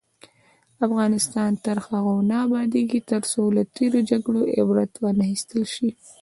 افغانستان تر هغو نه ابادیږي، ترڅو له تیرو جګړو عبرت وانخیستل شي.